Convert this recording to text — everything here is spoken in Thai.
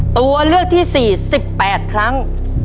ตัวเลือกที่๔๑๘ครั้ง